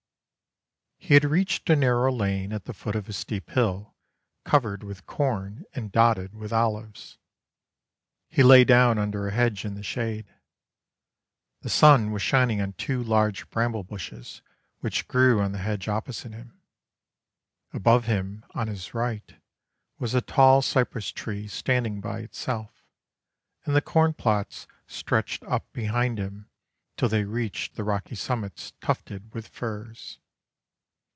He had reached a narrow lane at the foot of a steep hill covered with corn and dotted with olives. He lay down under a hedge in the shade. The sun was shining on two large bramble bushes which grew on the hedge opposite him. Above him, on his right, was a tall cypress tree standing by itself, and the corn plots stretched up behind him till they reached the rocky summits tufted with firs.